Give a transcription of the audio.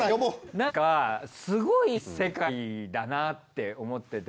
なんかすごい世界だなって思ってて。